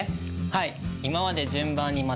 はい。